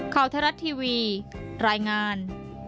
ข่าวไทยรัฐทีวีรายงาน